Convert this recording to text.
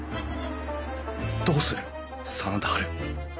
どうする真田ハル！